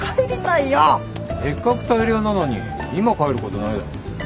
せっかく大漁なのに今帰ることないだろ。